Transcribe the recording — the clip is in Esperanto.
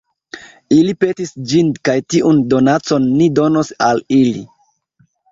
Ili petis ĝin kaj tiun donacon ni donos al ili.